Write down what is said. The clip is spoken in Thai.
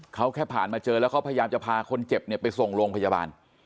เขาแค่ผ่านมาเจอแล้วเขาพยายามจะพาคนเจ็บเนี่ยไปส่งโรงพยาบาล